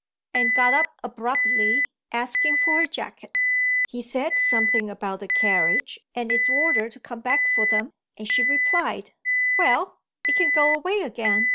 and got up abruptly, asking for her jacket. He said something about the carriage and its order to come back for them, and she replied, "Well, it can go away again.